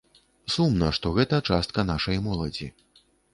Сумна, што гэта частка нашай моладзі.